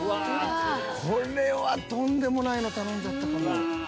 これはとんでもないの頼んじゃったかも。